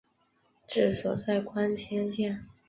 治所在光迁县。